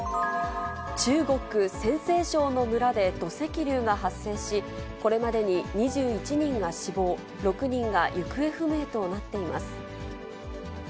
中国・陝西省の村で土石流が発生し、これまでに２１人が死亡、６人が行方不明となっています。